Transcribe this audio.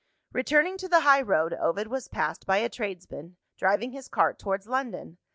Returning to the high road, Ovid was passed by a tradesman, driving his cart towards London.